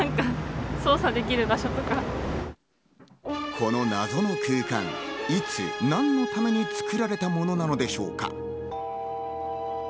この謎の空間、いつ、何のために作られたものなのでしょうか。